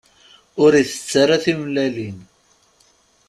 Ur itett ara timellalin.